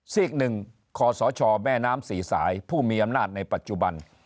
ซีกหนึ่งคศแม่น้ำสี่สายผู้มีอำนาจในปัจจุบัน